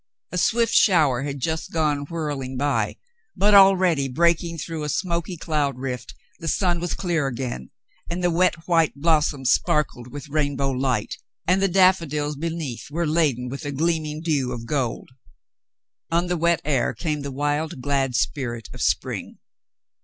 A swift shower had just gone whirling by, but already, breaking through a smoky cloud rift, the sun was clear again, and the wet white blossoms sparkled with rainbow light, and the daffodils be neath were laden with a gleaming dew of gold. On A PERSON OF IMPORTANCE 55 the wet air came the wild, glad spirit of spring.